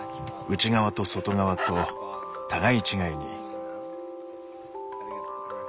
内側と外側と互い違いに。